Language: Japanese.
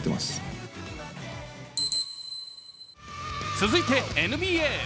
続いてＮＢＡ。